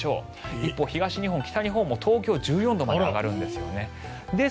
一方、東日本、北日本も東京、１４度まで上がるんです。